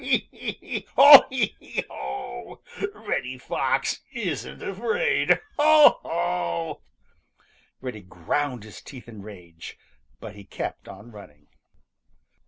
Hee, hee, hee! Ho, ha, hee, ho! Reddy Fox isn't afraid! Ho, ho!" Reddy ground his teeth in rage, but he kept on running.